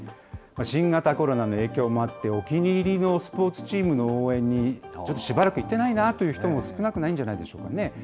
新型コロナの影響もあって、お気に入りのスポーツチームの応援に、ちょっとしばらく行ってないなぁという人も少なくないんじゃないでしょうかね。